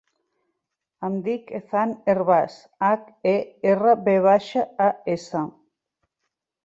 Em dic Ethan Hervas: hac, e, erra, ve baixa, a, essa.